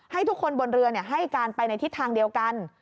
ให้ทุกคนบนเรือให้การไปในทิศทางเดียวกัน